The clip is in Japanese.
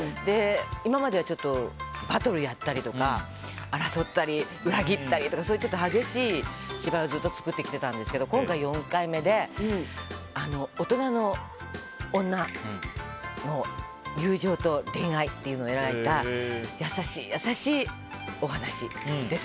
今までバトルやったりとか争ったり裏切ったりとか激しい芝居をずっと作ってきてたんですが今回は４回目で大人の女の友情と恋愛っていうのを描いた優しい優しいお話です。